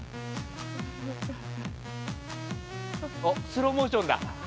スローモーションだ。